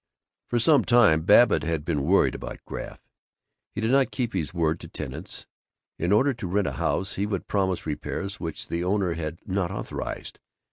For some time Babbitt had been worried about Graff. He did not keep his word to tenants. In order to rent a house he would promise repairs which the owner had not authorized.